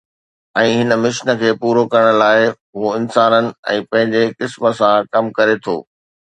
۽ هن مشن کي پورو ڪرڻ لاء، هو انسانن ۽ پنهنجي قسم سان ڪم ڪري ٿو